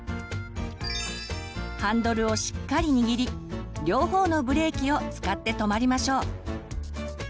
ハンドルをしっかり握り両方のブレーキを使って止まりましょう。